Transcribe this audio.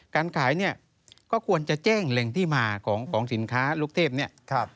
การขายก็ควรจะแจ้งแหล่งที่มาของสินค้าลูกเทพ